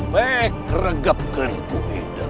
mek regapkan ku hidup